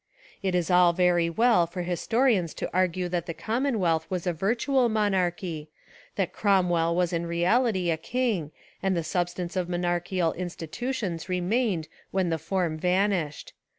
It is all very well for historians to argue that the Commonwealth was a virtual monarchy, that Cromwell was In reality a king and the substance of monarchical institutions remained when the form vanished.